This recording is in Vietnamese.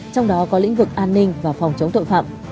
trong đó có lĩnh vực an ninh và phòng chống tội phạm